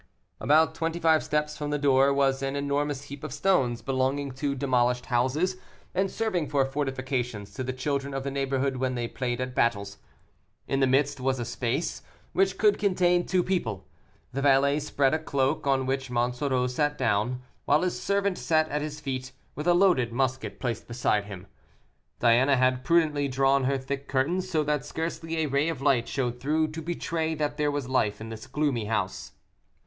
About twenty five steps from the door was an enormous heap of stones belonging to demolished houses, and serving for fortifications to the children of the neighborhood when they played at battles. In the midst was a space, which could contain two people. The valet spread a cloak, on which Monsoreau sat down, while his servant sat at his feet, with a loaded musket placed beside him. Diana had prudently drawn her thick curtains, so that scarcely a ray of light showed through, to betray that there was life in this gloomy house.